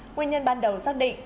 nguyên nhân ban đầu xác định